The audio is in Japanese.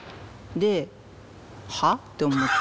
で「は？」って思って。